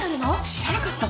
知らなかったの？